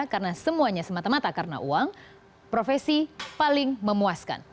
karena semuanya semata mata karena uang profesi paling memuaskan